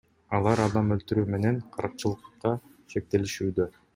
Алар адам өлтүрүү менен каракчылыкка шектелишүүдө.